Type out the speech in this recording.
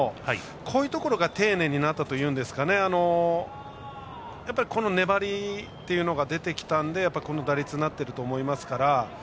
こういうところが丁寧になったといいますか粘りが出てきたのでこの打率になっていると思いますから。